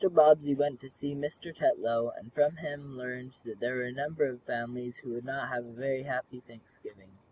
Bobbsey went to see Mr. Tetlow, and from him learned that there were a number of families who would not have a very happy Thanksgiving.